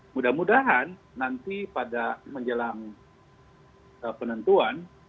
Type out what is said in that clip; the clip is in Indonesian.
mudah mudahan nanti pada menjelang penentuan